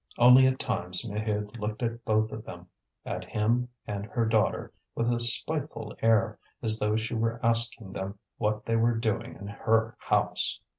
Only at times Maheude looked at both of them, at him and her daughter, with a spiteful air, as though she were asking them what they were doing in her house.